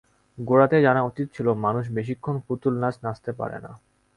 গোড়াতেই জানা উচিত ছিল মানুষ বেশিক্ষণ পুতুল-নাচ নাচতে পারে না।